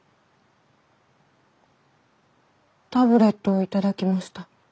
タブレットを頂きました。